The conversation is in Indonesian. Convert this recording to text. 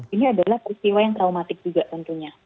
ini adalah peristiwa yang traumatik juga tentunya